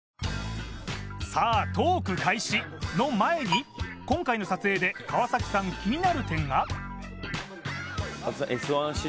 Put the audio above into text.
トーク開始の前に今回の撮影で川崎さん、気になる点が。